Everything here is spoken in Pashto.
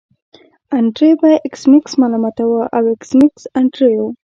انډریو به ایس میکس ملامتوي او ایس میکس انډریو